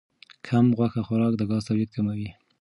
کم غوښه خوراک د ګاز تولید کموي.